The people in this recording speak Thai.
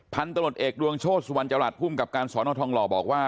พันตลอดเอกดวงโชชวัญจรรย์ภูมิกับการสอนอทองหล่อบอกว่า